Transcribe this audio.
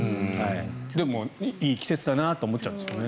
でも、いい季節だなと思っちゃうんですよね。